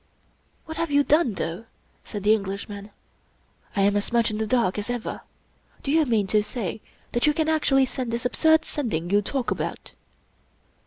" What have you done, though ?" said the Englishman ;" I am as much in the dark as ever. Do you mean to siay that you can actually send this absurd Sending you talk about?"